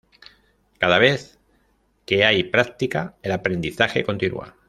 Cada vez que hay práctica, el aprendizaje continúa.